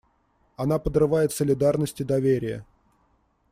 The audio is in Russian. Она подрывает солидарность и доверие.